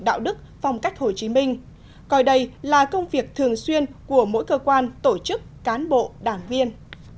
đạo đức phong cách hồ chí minh coi đây là công việc thường xuyên của mỗi cơ quan tổ chức cán bộ đảng viên